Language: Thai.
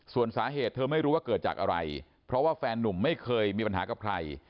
ส่วนสาเหตุเธอไม่รู้ว่าเกิดจากอะไรเพราะว่าแฟนนุ่มไม่เคยมีปัญหากับใคร